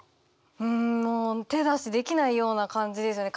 うんもう手出しできないような感じですよね。